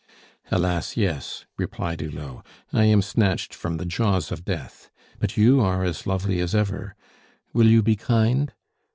"Alas, yes," replied Hulot; "I am snatched from the jaws of death! But you are as lovely as ever. Will you be kind?"